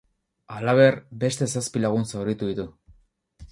Halaber, beste zazpi lagun zauritu ditu.